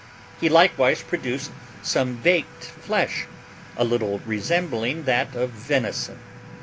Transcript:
He likewise produced some baked flesh, a little resembling that of venison.